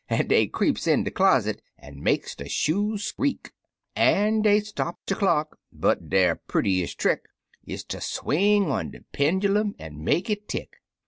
An' dey creeps in de closet, an' makes de shoes screak ; An" dey stops de clock — but der purtiest trick Is ter swing on de pennel um an' make it tick.